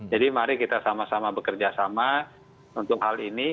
jadi mari kita sama sama bekerja sama untuk hal ini